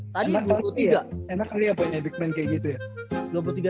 enak kali ya banyak big man kayak gitu ya